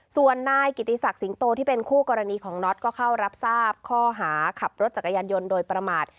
ส่วนนายกิติศักดิ์สิงโตที่เป็นคู่กรณีของน็อตก็เข้ารับทราบข้อหาขับรถจักรยานยนต์โดยประมาท